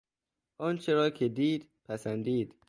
آنچه را که دید، پسندید.